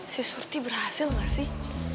si surti berhasil nggak sih